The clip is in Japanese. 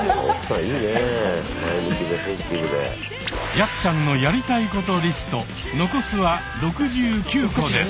やっちゃんのやりたいことリスト残すは６９個です。